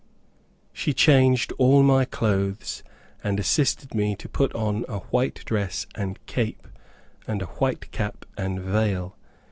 She changed all my clothes, and assisted me to put on a white dress and cape, and a white cap and veil.